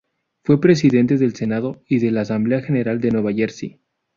Fue Presidente del Senado y de la Asamblea General de Nueva Jersey.